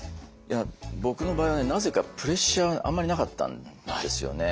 僕の場合はなぜかプレッシャーあんまりなかったんですよね。